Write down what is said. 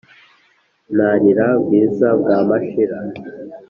Ntaririra bwiza bwa mashira